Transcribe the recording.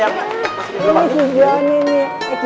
masuk masuk masuk